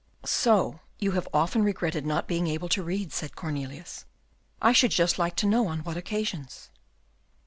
"So you have often regretted not being able to read," said Cornelius. "I should just like to know on what occasions."